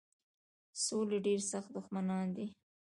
سولي ډېر سخت دښمنان دي.